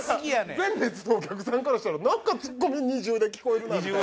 前列のお客さんからしたらなんかツッコミ二重で聞こえるなみたいな。